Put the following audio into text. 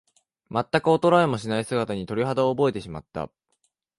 まったく衰えもしない姿に、鳥肌を覚えてしまった。